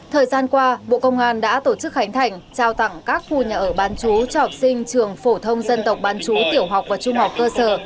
thời gian qua bộ công an đã tổ chức khánh thành trao tặng các khu nhà ở bán chú cho học sinh trường phổ thông dân tộc bán chú tiểu học và trung học cơ sở